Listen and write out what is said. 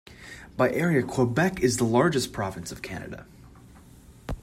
By area, Quebec is the largest province of Canada.